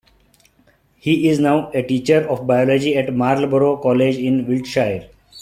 He is now a teacher of Biology at Marlborough College in Wiltshire.